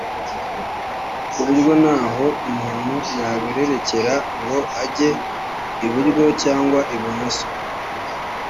ku buryo nta ho umuntu yabererekera ngo ajye iburyo cyangwa ibumoso.